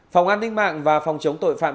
phòng an ninh mạng và phòng chống tội phạm